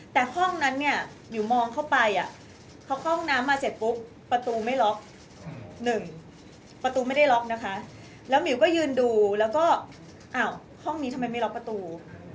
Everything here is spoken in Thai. แต่ห้องนั้นเนี่ยมิวมองเข้าไปเขาเข้าห้องน้ำมาเสร็จปุ๊บประตูไม่ล็อกหนึ่งประตูไม่ได้ล็อกนะคะแล้วหมิวก็ยืนดูแล้วก็อ้าวห้องนี้ทำไมไม่ล็อกประตู